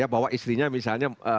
bahwa istrinya misalnya